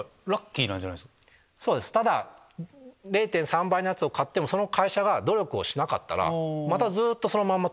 ただ０．３倍のやつを買ってもその会社が努力をしなかったらまたずっとそのまんま